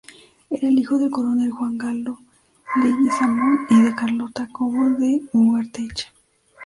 Era hijo del coronel Juan Galo Leguizamón y de Carlota Cobo de Ugarteche.